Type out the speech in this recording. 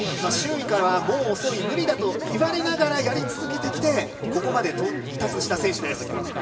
周囲からは、もう遅い無理だと言われながら、やり続けてきてここまで到達した選手です。